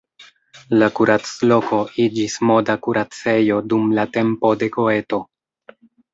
La kuracloko iĝis moda kuracejo dum la tempo de Goeto.